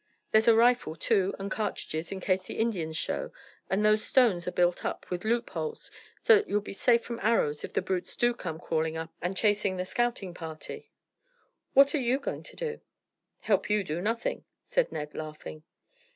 There's a rifle too, and cartridges, in case the Indians show, and the stones are built up with loop holes so that you'll be safe from arrows if the brutes do come crawling up and chasing the scouting party." "What are you going to do?" "Help you do nothing," said Ned, laughing.